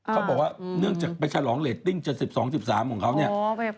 เขาบอกว่าเนื่องจากไปฉลองเรตติ้ง๗๒๑๓ของเขาเนี่ย